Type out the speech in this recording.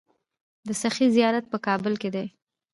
د سخي زیارت په کابل کې دی